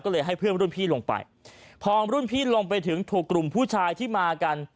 ก็เลยให้เพื่อนรุ่นพี่ลงไปพอรุ่นพี่ลงไปถึงถูกกลุ่มผู้ชายที่มากัน